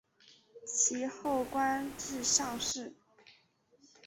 其后官至上士。